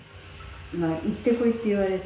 行ってこいって言われて。